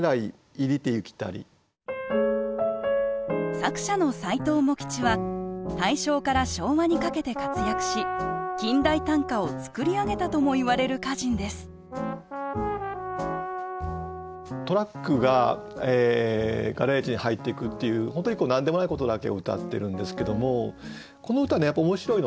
作者の斎藤茂吉は大正から昭和にかけて活躍し近代短歌を作り上げたともいわれる歌人ですトラックがガレージに入っていくっていう本当に何でもないことだけを歌ってるんですけどもこの歌ねやっぱり面白いのはね